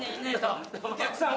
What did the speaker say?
お客さん。